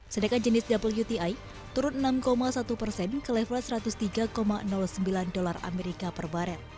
sedangkan jenis wti turun enam satu persen ke level satu ratus tiga sembilan dolar amerika per barel